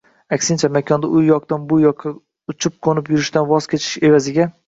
Aksincha, makonda u yoqdan bu yoqqa uchib-qo‘nib yurishdan voz kechish evaziga